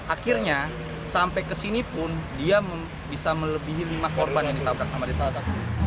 akhirnya sampai ke sini pun dia bisa melebihi lima korban yang ditabrak sama desa